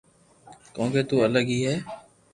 ڪونڪھ تو الگ ھي ھي